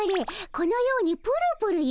このようにプルプルゆれる。